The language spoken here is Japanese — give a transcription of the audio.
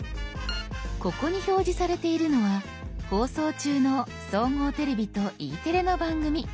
ここに表示されているのは放送中の「総合テレビ」と「Ｅテレ」の番組。